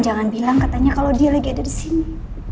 jangan bilang katanya kalo dia lagi ada disini